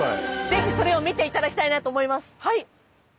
ぜひそれを見ていただきたいなと思います。